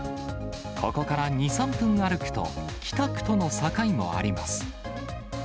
ここから２、３分歩くと、北区との境もあります。